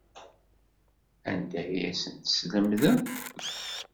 Anda ay asent-teslemdeḍ?